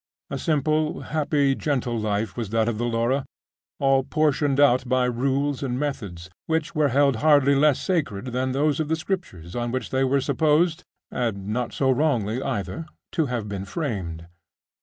A simple, happy, gentle life was that of the Laura, all portioned out by rules and methods, which were held hardly less sacred than those of the Scriptures, on which they were supposed (and not so wrongly either) to have been framed.